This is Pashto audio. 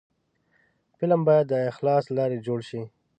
فلم باید د اخلاص له لارې جوړ شي